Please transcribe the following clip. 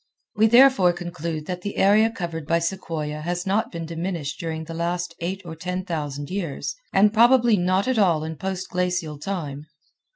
We therefore conclude that the area covered by sequoia has not been diminished during the last eight or ten thousand years, and probably not at all in post glacial time.